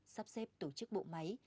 sắp xếp tổ chức bộ máy